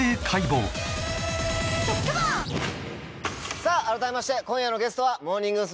今夜改めまして今夜のゲストはモーニング娘。